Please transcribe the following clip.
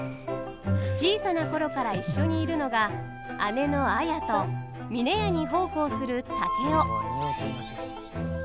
小さな頃から一緒にいるのが姉の綾と峰屋に奉公する竹雄。